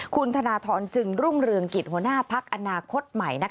คุณธนทรจึงรุ่งเรืองกิจหัวหน้าพักอนาคตใหม่